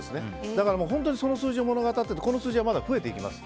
だからその数字が物語っていてこの数字はもっと増えていきます。